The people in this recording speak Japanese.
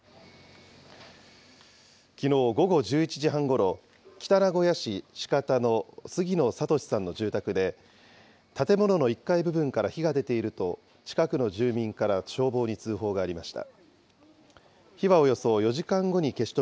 きのう午後１１時半ごろ、北名古屋市鹿田の杉野佐利さんの住宅で、建物の１階部分から火が出ていると近くの住民から消防に通報がありました。